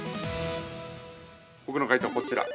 ◆僕の解答は、こちら。